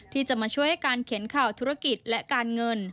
ที่จะมาช่วยให้การเข็นข่าวธุรกิจและการเงิน